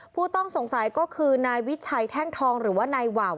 ผู้ต้องสงสัยก็คือนายวิชัยแท่งทองหรือว่านายว่าว